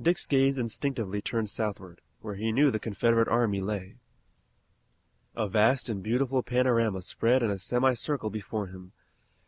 Dick's gaze instinctively turned southward, where he knew the Confederate army lay. A vast and beautiful panorama spread in a semi circle before him.